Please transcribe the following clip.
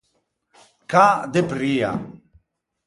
Cà de pria.